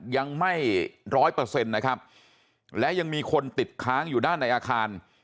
ยังไม่ร้อยเปอร์เซ็นต์นะครับและยังมีคนติดค้างอยู่ด้านในอาคาร